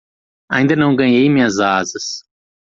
Ainda não ganhei minhas asas.